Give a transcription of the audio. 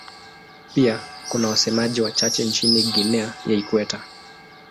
Pia kuna wasemaji wachache nchini Guinea ya Ikweta.